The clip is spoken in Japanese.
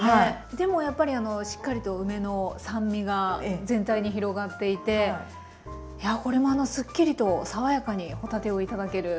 でもやっぱりしっかりと梅の酸味が全体に広がっていてやこれもすっきりと爽やかに帆立てを頂ける。